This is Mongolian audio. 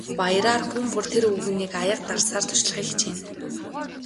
Баяраар хүн бүр тэр өвгөнийг аяга дарсаар зочлохыг хичээнэ.